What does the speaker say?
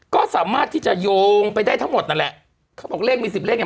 ก็สามารถที่จะโยงไปได้ทั้งหมดนั่นแหละเขาบอกเลขมีสิบเลขเนี่ย